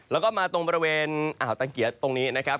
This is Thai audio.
แล้วก็มาตรงบริเวณอ่าวตังเกียจตรงนี้นะครับ